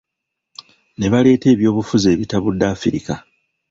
Ne baleeta ebyobufuzi ebitabudde Afirika.